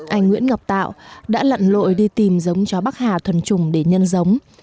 anh nguyễn ngọc tạo đã lặn lội đi tìm giống chó bắc hà thuần trùng để nhân giống